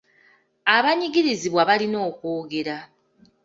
Abanyigirizibwa balina okwogera.